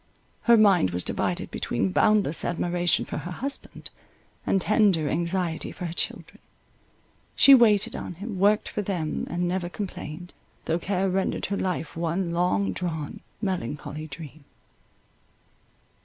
Her mind was divided between boundless admiration for her husband, and tender anxiety for her children—she waited on him, worked for them, and never complained, though care rendered her life one long drawn, melancholy dream.